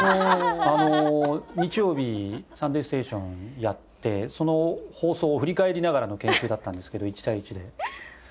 あの日曜日『サンデーステーション』やってその放送を振り返りながらの研修だったんですけど１対１で。